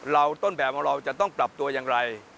เราต้นแบบว่าเราจะต้องปรับตัวยังไร